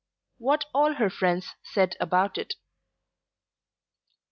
WHAT ALL HER FRIENDS SAID ABOUT IT.